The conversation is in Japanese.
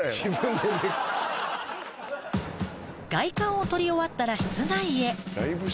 外観を撮り終わったら室内へ。